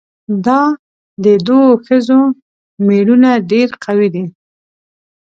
دا د دوو ښځو ميړونه ډېر قوي دي؟